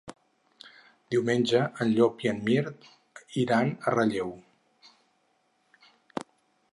Diumenge en Llop i en Mirt iran a Relleu.